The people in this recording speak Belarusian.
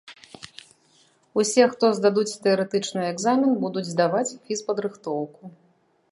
Усе, хто здадуць тэарэтычны экзамен, будуць здаваць фізпадрыхтоўку.